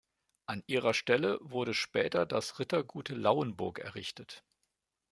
An ihrer Stelle wurde später das "Rittergut Lauenburg" errichtet.